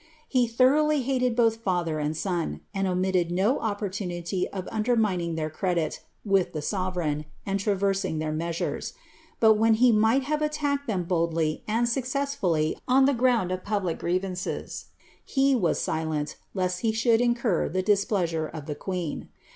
He thoroughly hated both father and son, tad omitted no opportunity of undermining their credit with the sove leign, and traversing their measures ; but when he might have attacked them boldly and successfully on the ground of public grievances, he silent, lest he should incur tlie displeasure of the queen.